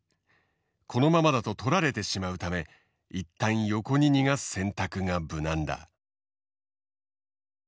このままだと取られてしまうため一旦横に逃がす選択が無難だ。